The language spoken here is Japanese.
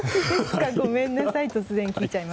ごめんなさい。